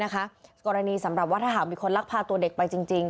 กรณีสำหรับว่าถ้าหากมีคนลักพาตัวเด็กไปจริง